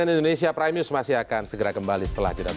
cnn indonesia prime news masih akan segera kembali setelah jeda berikut